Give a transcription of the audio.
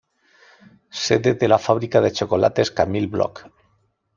Sede de la fábrica de chocolates Camille Bloch.